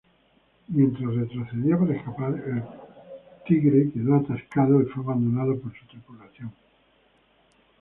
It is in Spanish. Mientras retrocedía para escapar, el Tiger quedó atascado y fue abandonado por su tripulación.